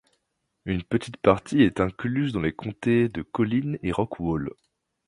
Une petite partie est incluse dans les comtés de Collin et Rockwall.